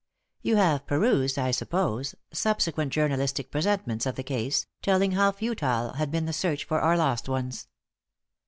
You have perused, I suppose, subsequent journalistic presentments of the case, telling how futile had been the search for our lost ones.